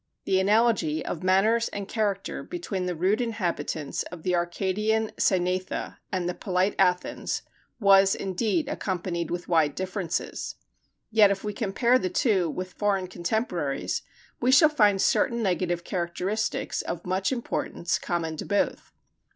The analogy of manners and character between the rude inhabitants of the Arcadian Cynætha and the polite Athens, was, indeed, accompanied with wide differences; yet if we compare the two with foreign contemporaries, we shall find certain negative characteristics of much importance common to both.